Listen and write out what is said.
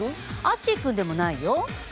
アッシーくんでもないよ。